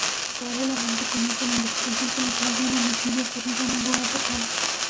Paralelamente comienza la investigación policial de un homicidio ocurrido en un lugar cercano.